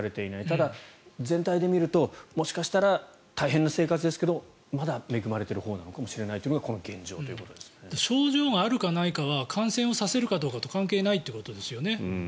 ただ、全体で見るともしかしたら大変な生活ですけどまだ恵まれているほうなのかもしれないというのが症状があるかないかは感染をさせるかどうかと関係がないということですよね。